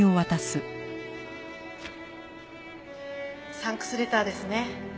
サンクスレターですね。